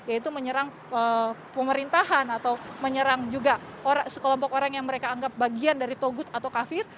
yaitu menyerang pemerintahan atau menyerang juga sekelompok orang yang mereka anggap bagian dari togut atau kafir